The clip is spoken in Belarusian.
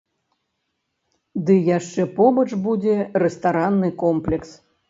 Ды яшчэ побач будзе рэстаранны комплекс.